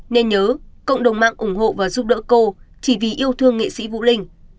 nên nhớ cộng đồng mạng ủng hộ và giúp đỡ cô chỉ vì yêu thương nghệ sĩ vũ linh